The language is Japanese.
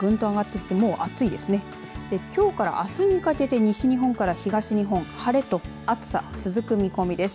きょうからあすにかけて西日本から東日本晴れと暑さ続く見込みです。